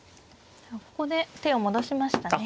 ここで手を戻しましたね。